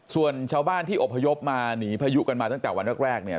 ส่วนชาวบ้านที่อบพยพมาหนีพายุกันมาตั้งแต่วันแรกเนี่ย